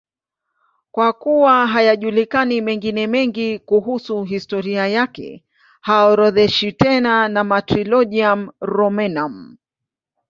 Kwa kuwa hayajulikani mengine mengi kuhusu historia yake, haorodheshwi tena na Martyrologium Romanum.